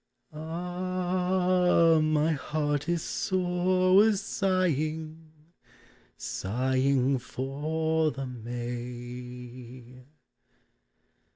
Ah! my heart is sore with sighing, Sighing for the May.